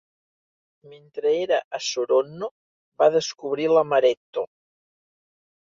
Mentre era a Saronno, va descobrir l'amaretto.